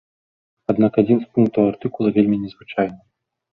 Аднак адзін з пунктаў артыкула вельмі незвычайны.